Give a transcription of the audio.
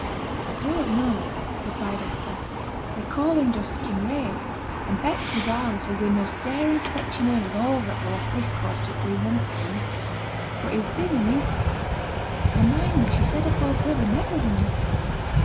'I don't know,' replied Hester; 'they call him just Kinraid; and Betsy Darley says he's t' most daring specksioneer of all that go off this coast to t' Greenland seas. But he's been in Newcastle, for I mind me she said her poor brother met with him there.'